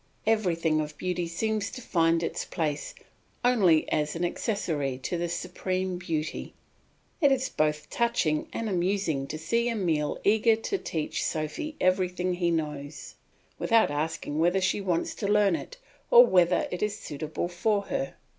Everything of beauty seems to find its place only as an accessory to the supreme beauty. It is both touching and amusing to see Emile eager to teach Sophy everything he knows, without asking whether she wants to learn it or whether it is suitable for her.